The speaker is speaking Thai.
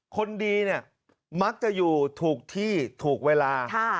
คนดีเนี่ยมักจะอยู่ถูกที่ถูกเวลา